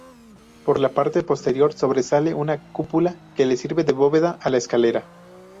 Por la parte posterior sobresale una cúpula que sirve de bóveda a la escalera.